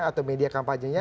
atau media kampanyenya